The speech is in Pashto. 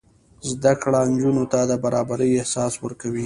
زده کړه نجونو ته د برابرۍ احساس ورکوي.